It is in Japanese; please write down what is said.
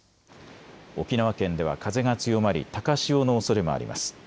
沖縄県では風が強まり高潮のおそれもあります。